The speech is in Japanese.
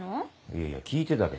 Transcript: いやいや聞いてたけどさ。